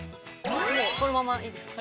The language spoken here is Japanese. ◆このままいいですか。